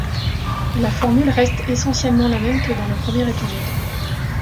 La formule reste essentiellement la même que dans le premier épisode.